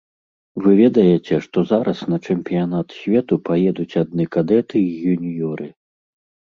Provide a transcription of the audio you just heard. Вы ведаеце, што зараз на чэмпіянат свету паедуць адны кадэты і юніёры?